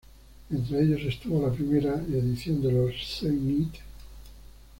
Entre ellos estuvo la primera edición de los "Scene It?